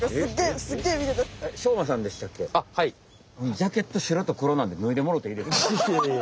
ジャケット白と黒なんでぬいでもろてええですか？